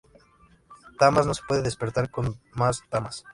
Tamas no se puede despertar con más tamas.